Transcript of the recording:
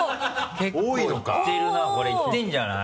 結構いってるなこれいってるんじゃない？